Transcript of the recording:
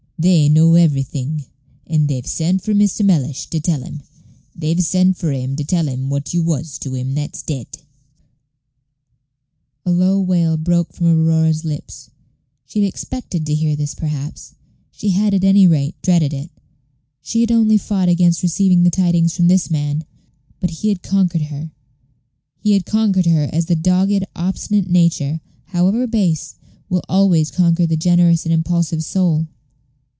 They know everything; and they've sent for Mr. Mellish, to tell him. They've sent for him to tell him what you was to him that's dead." A low wail broke from Aurora's lips. She had expected to hear this, perhaps; she had, at any rate, dreaded it; she had only fought against receiving the tidings from this man; but he had conquered her he had conquered her, as the dogged, obstinate nature, however base, will always conquer the generous and impulsive soul.